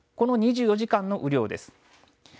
この２４時間の雨量です。